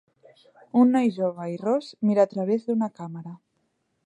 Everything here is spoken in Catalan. Un noi jove i ros mira a través d'una càmera.